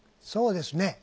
そうですね。